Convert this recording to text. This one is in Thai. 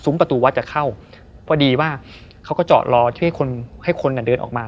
ซุ้มประตูวัดจะเข้าเพราะดีว่าเขาก็จอดรอที่ให้คนก่อนเดินออกมา